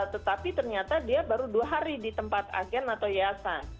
tetapi ternyata dia baru dua hari di tempat agen atau yayasan